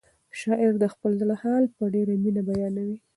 شاعر د خپل زړه حال په ډېره مینه بیانوي.